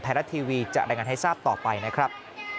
ไทยรัฐทีวีจะรายงานให้ทราบต่อไปนะครับ